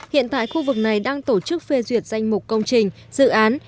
hiện tại khu vực này đang tổ chức phê duyệt danh mục công trình dự án